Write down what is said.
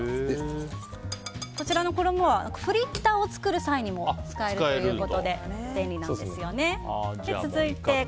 こちらの衣はフリッターを作る際にも使えるということで便利なんですよね。